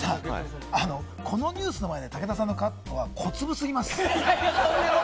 このニュースの前で武田さんのカットは小粒すぎます。